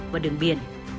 và đường biển